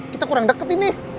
kita kurang deket ini